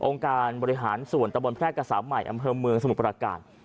การบริหารส่วนตะบนแพร่กษาใหม่อำเภอเมืองสมุทรประการ